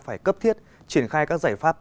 phải cấp thiết triển khai các giải pháp